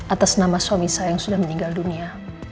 atas nama suami saya yang sudah meninggal dunia